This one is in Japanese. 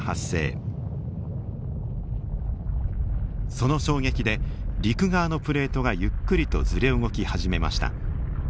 その衝撃で陸側のプレートがゆっくりとずれ動き始めました。